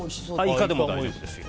イカでも大丈夫ですよ。